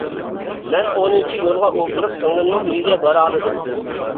مەن ئونىنچى يولغا ئولتۇرۇپ، سىڭلىمنىڭ ئۆيىگە بارالىدىم.